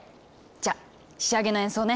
じゃ仕上げの演奏ね。